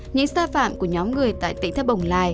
những xa phạm của nhóm người tại tỉnh thế bồng lai